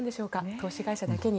投資会社だけに。